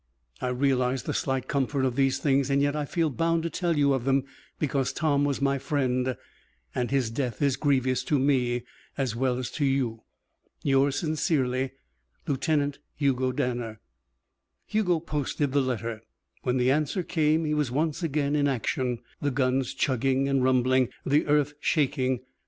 "I realize the slight comfort of these things, and yet I feel bound to tell you of them, because Tom was my friend, and his death is grievous to me as well as to you. "Yours sincerely, "(LIEUTENANT) HUGO DANNER" Hugo posted the letter. When the answer came, he was once again in action, the guns chugging and rumbling, the earth shaking.